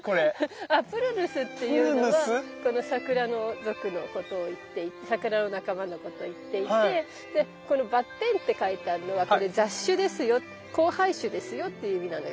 「Ｐｒｕｎｕｓ」っていうのはこのサクラ属のことを言っていてサクラの仲間のことを言っていてでこのバッテンって書いてあるのはこれ雑種ですよ交配種ですよっていう意味なのよ。